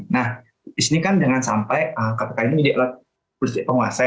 nah disini kan dengan sampai kpk ini menjadi alat politik penguasa